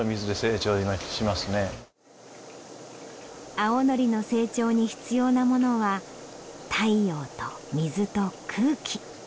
青のりの成長に必要なものは太陽と水と空気。